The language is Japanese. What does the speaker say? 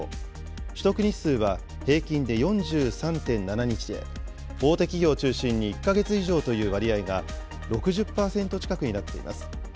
取得日数は平均で４３．７日で、大手企業を中心に１か月以上という割合が６０％近くになっています。